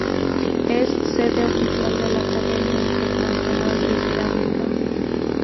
Es sede oficial de la Academia Internacional de Cerámica.